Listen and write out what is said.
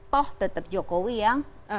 toh tetap jokowi yang